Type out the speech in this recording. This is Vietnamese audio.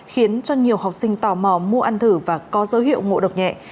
khiến cho nhiều học sinh tò mò mua ăn thử và có dấu hiệu ngộ độc nhẹ